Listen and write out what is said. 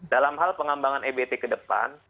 dalam hal pengembangan ebt kedepan